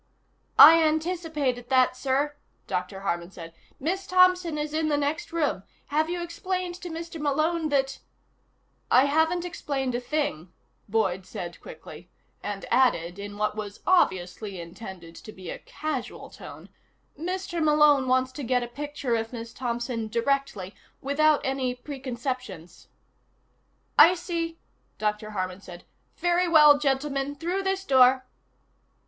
"I anticipated that, sir," Dr. Harman said. "Miss Thompson is in the next room. Have you explained to Mr. Malone that " "I haven't explained a thing," Boyd said quickly, and added in what was obviously intended to be a casual tone: "Mr. Malone wants to get a picture of Miss Thompson directly without any preconceptions." "I see," Dr. Harman said. "Very well, gentlemen. Through this door."